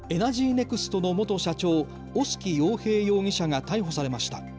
ネクストの元社長、小薄洋平容疑者が逮捕されました。